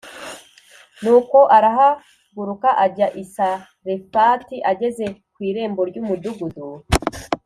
Nuko arahaguruka ajya i Sarefati Ageze ku irembo ry’umudugudu